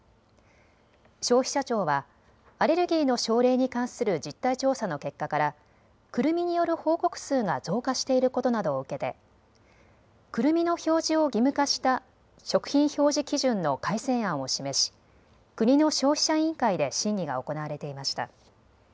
消費者庁はアレルギーの症例に関する実態調査の結果からくるみによる報告数が増加していることなどを受けてくるみの表示を義務化した食品表示基準の改正案を示し国の消費者委員会で審議が行われていました。